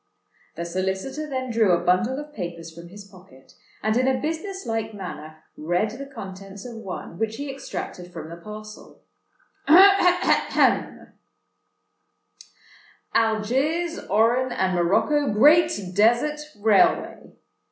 The solicitor then drew a bundle of papers from his pocket, and in a business like manner read the contents of one which he extracted from the parcel:— "ALGIERS, ORAN, AND MOROCCO GREAT DESERT RAILWAY.